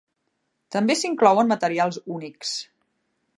També s'inclouen materials únics.